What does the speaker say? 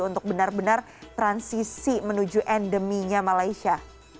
untuk benar benar transisi menuju endeminya malaysia